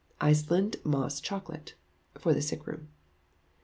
Iceland Moss Chocolate (FOR THE SICK ROOM).